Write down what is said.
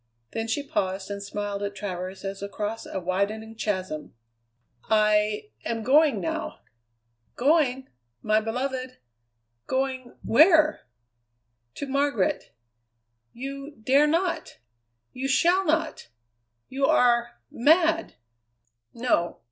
Then she paused and smiled at Travers as across a widening chasm. "I am going now!" "Going? My beloved going where?" "To Margaret." "You dare not! You shall not! You are mad!" "No.